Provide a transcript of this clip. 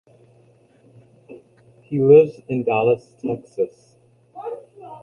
He lives in Dallas, Texas.